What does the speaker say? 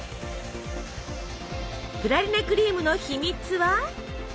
プラリネクリームの秘密は？